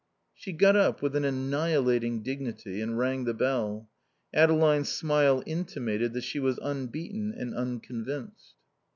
She got up, with an annihilating dignity, and rang the bell. Adeline's smile intimated that she was unbeaten and unconvinced.